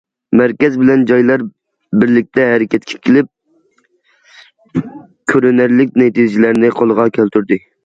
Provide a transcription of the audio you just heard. مەركەز بىلەن جايلار بىرلىكتە ھەرىكەتكە كېلىپ، كۆرۈنەرلىك نەتىجىلەرنى قولغا كەلتۈردى.